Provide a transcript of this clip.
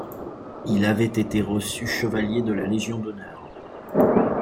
Il avait été reçu chevalier de la Légion d'honneur.